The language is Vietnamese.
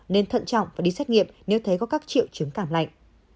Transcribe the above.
nên thận trọng và đi xét nghiệm nếu thấy có các triệu chứng cảm lạnh